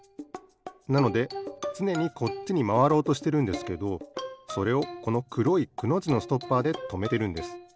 なのでつねにこっちにまわろうとしてるんですけどそれをこのくろい「く」のじのストッパーでとめてるんです。